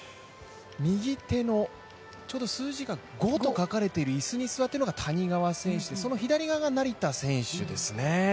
右手のちょうど数字が５と書かれている椅子に座っているのが谷川選手でその左側が成田選手ですね。